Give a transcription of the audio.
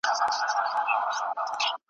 ستړي منډي به مي ستا درشل ته راوړې .